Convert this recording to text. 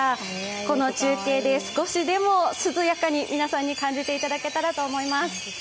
この中継で少しでも涼やかに皆さんに感じていただけたらと思います。